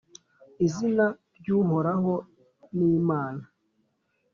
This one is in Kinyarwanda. izina ry’Uhoraho n’Imana,